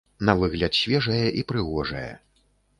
На выгляд свежае і прыгожае.